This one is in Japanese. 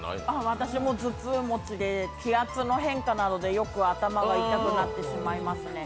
私も頭痛持ちで、気圧の変化などでよく頭が痛くなってしまいますね。